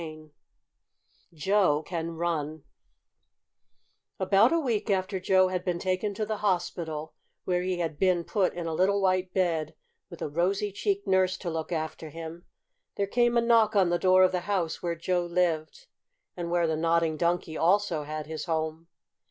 CHAPTER X JOE CAN RUN About a week after Joe had been taken to the hospital, where he had been put in a little white bed, with a rosy cheeked nurse to look after him, there came a knock on the door of the house where Joe lived, and where the Nodding Donkey also had his home.